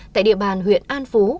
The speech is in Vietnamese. tại địa bàn huyện an phú